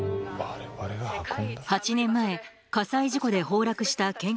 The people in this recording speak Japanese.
８年前火災事故で崩落した研究基地